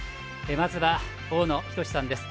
まずは大野均さんです。